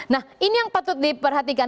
nah ini yang patut diperhatikan